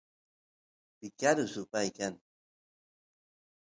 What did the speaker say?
picaru supay kan